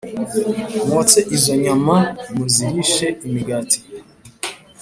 Mwotse izo nyama muzirishe imigati